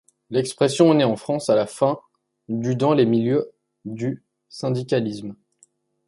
L'expression est née en France à la fin du dans les milieux du syndicalisme.